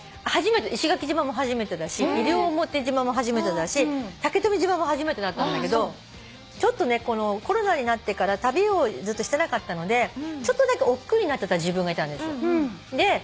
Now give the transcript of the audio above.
石垣島も初めてだし西表島も初めてだし竹富島も初めてだったんだけどコロナになってから旅をずっとしてなかったのでちょっとだけおっくうになってた自分がいたんですよ。